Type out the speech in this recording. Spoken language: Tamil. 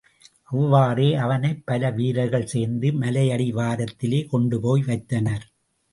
அவ்வாறே அவனைப் பல வீரர்கள் சேர்ந்து மலையடிவாரத்திலே கொண்டு போய் வைத்தனர்.